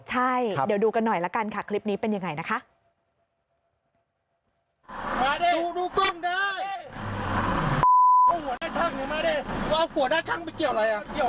ใช่เดี๋ยวดูกันหน่อยละกันค่ะคลิปนี้เป็นยังไงนะคะ